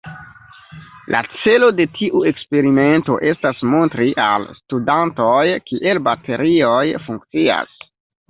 La celo de tiu eksperimento estas montri al studantoj kiel baterioj funkcias.